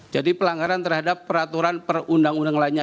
jadi pelanggaran terhadap peraturan perundang undang lainnya